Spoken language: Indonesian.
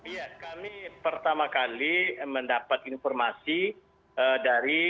ya kami pertama kali mendapat informasi dari